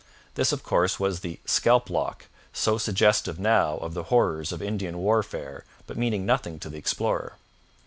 This, of course, was the 'scalp lock,' so suggestive now of the horrors of Indian warfare, but meaning nothing to the explorer.